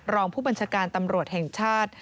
รองผู้บัญชาการตำรวจแห่งชาติ